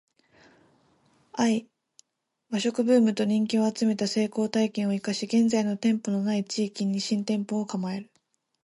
ⅰ 和食ブームと人気を集めた成功体験を活かし現在店舗の無い地域に新店舗を構える